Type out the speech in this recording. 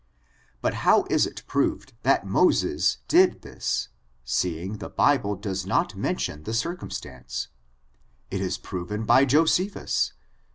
But how is it proved that Moses did this, seeing the Bible does not mention the circumstance? It is proven by Josephus.